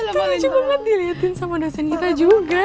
itu lucu banget diliatin sama dosen kita juga